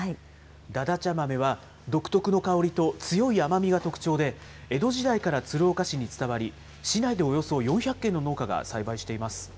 だだちゃ豆は、独特の香りと強い甘みが特徴で、江戸時代から鶴岡市に伝わり、市内でおよそ４００軒の農家が栽培しています。